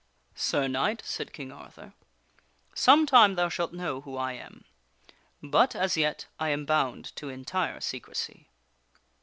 " Sir Knight," said King Arthur, " some time thou shalt know who I am. But, as yet, I am bound to entire secrecy."